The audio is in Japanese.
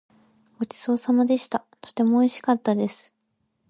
ごちそうさまでした。とてもおいしかったです。